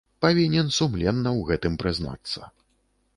Павінен сумленна ў гэтым прызнацца.